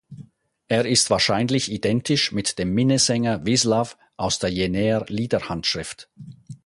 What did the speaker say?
Er ist wahrscheinlich identisch mit dem Minnesänger Wizlaw aus der Jenaer Liederhandschrift.